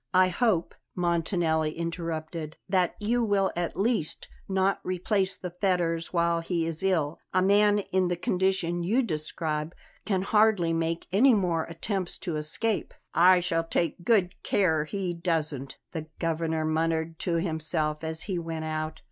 "I hope," Montanelli interrupted, "that you will at least not replace the fetters while he is ill. A man in the condition you describe can hardly make any more attempts to escape." "I shall take good care he doesn't," the Governor muttered to himself as he went out.